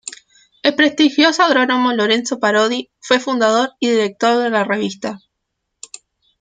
El prestigioso agrónomo Lorenzo Parodi fue fundador y director de la revista.